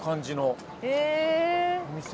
お店？